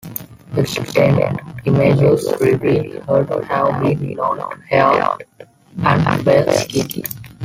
Extant images reveal her to have been blonde-haired and fair-skinned.